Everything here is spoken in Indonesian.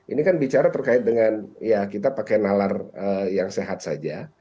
ini kan bicara terkait dengan ya kita pakai nalar yang sehat saja